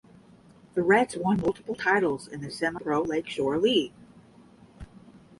The Reds won multiple titles in the semi–pro Lake Shore League.